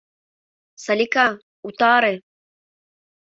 Салика, утаре!